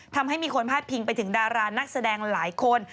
ทำให้มีคนพาดพิงไปถึงดารานักแสดงหลายคน